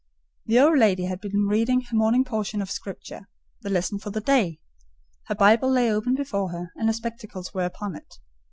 The old lady had been reading her morning portion of Scripture—the Lesson for the day; her Bible lay open before her, and her spectacles were upon it.